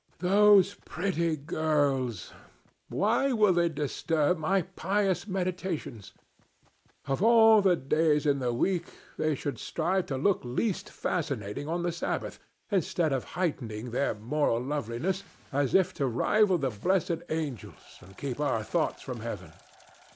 Those pretty girls! Why will they disturb my pious meditations? Of all days in the week, they should strive to look least fascinating on the Sabbath, instead of heightening their mortal loveliness, as if to rival the blessed angels and keep our thoughts from heaven.